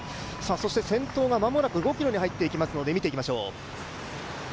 そして先頭がまもなく５ｋｍに入っていきますので見ていきましょう。